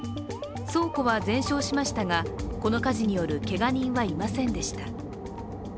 倉庫は全焼しましたがこの火事によるけが人はいませんでした。